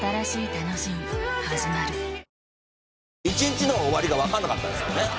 一日の終わりがわかんなかったですね。